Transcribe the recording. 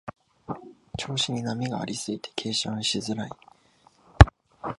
調子に波がありすぎて計算しづらい